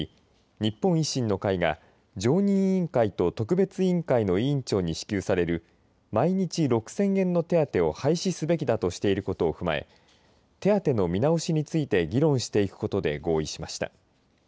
日本維新の会が常任委員会と特別委員会の委員長に支給される毎日６０００円の手当を廃止すべきだとしていることを踏まえ手当の見直しについて議論していくことで合意しました。